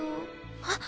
あっ！